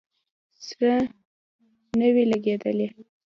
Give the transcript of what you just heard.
سره نه وې لګېدلې.